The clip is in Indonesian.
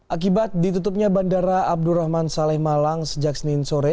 akibat ditutupnya bandara abdurrahman saleh malang sejak senin sore